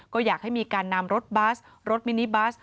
ก็อยากให้มีการนำรถบัสรถมินิบัส